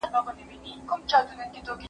ښځې د کبابي دوکان ته د وروستي ځل لپاره وکتل.